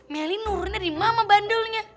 melly nurun dari mama bandulnya